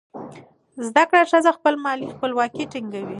زده کړه ښځه خپله مالي خپلواکي ټینګوي.